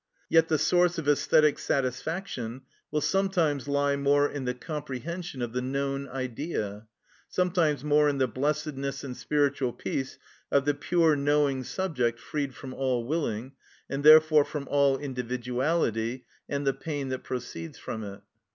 Yet the source of æsthetic satisfaction will sometimes lie more in the comprehension of the known Idea, sometimes more in the blessedness and spiritual peace of the pure knowing subject freed from all willing, and therefore from all individuality, and the pain that proceeds from it.